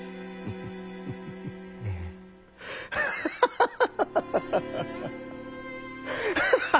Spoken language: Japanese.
フハハハハハ！